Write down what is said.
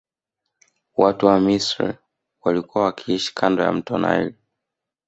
Watu wa misri walikua wakiishi kando ya mto naili